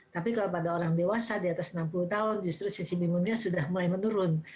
tapi kalau pada orang dewasa di atas enam puluh tahun justru sisi imunnya sudah mulai menurun